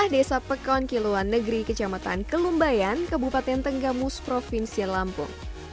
desa pekon kiluan negeri kecamatan kelumbayan kebupaten tenggamus provinsi lampung